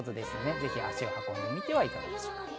ぜひ足を運んでみてはいかがでしょう。